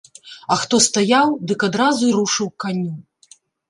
А хто стаяў, дык адразу й рушыў к каню.